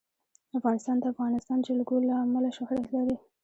افغانستان د د افغانستان جلکو له امله شهرت لري.